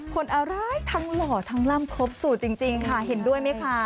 คนอะไรทั้งหล่อทั้งล่ำครบสูตรจริงค่ะเห็นด้วยไหมคะ